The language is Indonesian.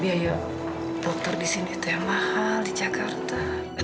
biaya dokter disini tuh yang mahal di jakarta